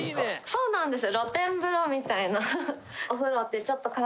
そうなんです。